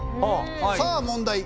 さあ問題。